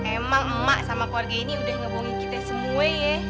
emang emak sama keluarga ini udah ngebungin kita semua ya